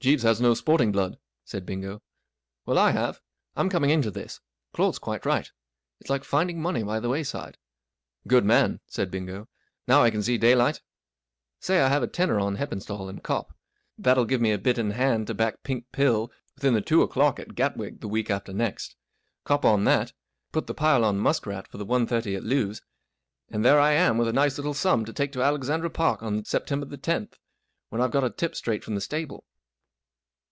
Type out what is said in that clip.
44 Jeeves has no sporting blood," said Bingo. 44 Well, I have. I'm coming into this. Claude's quite right. It's like finding money by the wayside." 44 Good man !" said Bingo. 44 Now I can see daylight. Say I have a tenner on Heppenstali, and cop ; that'll give me a bit in hand to back Pink Pill with in the two o'clock at Gatwick the week after next : cop on that, put the pile on Musk Rat for the one thirty at Lewes, and there I am with a nice little sum to take to Alexandra Park on September the tenth, when I've got a tip straight from the stable."